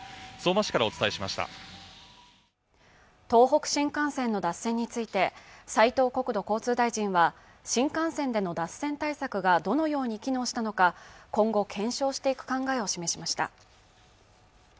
相馬市からお伝えしました東北新幹線の脱線について斉藤国土交通大臣は新幹線の脱線対策がどのように機能したのか今後検証していく考えを示しました